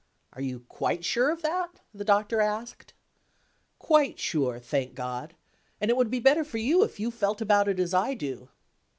"Are you quite sure of that?" the Doctor asked. "Quite sure, thank God! And it would be better for you if you felt about it as I do."